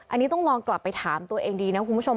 อันนี้ต้องมองกลับไปถามตัวเองดีนะคุณผู้ชม